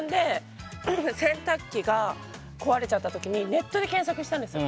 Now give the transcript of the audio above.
洗濯機が壊れちゃった時にネットで検索したんですよ。